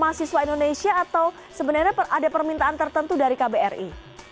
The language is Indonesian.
mahasiswa indonesia atau sebenarnya ada permintaan tertentu dari kbri